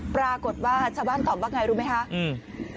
ปรากฏว่าชาวบ้านตอบว่าไงรู้ไหมคะอืม